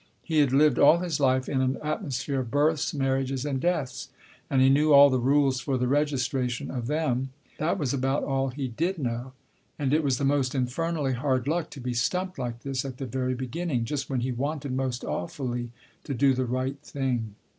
He had lived all his life in an atmo sphere of births, marriages and deaths, and he knew all the rules for the registration of them. And that was about all he did know. And it was the most infernally hard luck to be stumped like this at the very beginning, just when he wanted most awfully to do the right thing.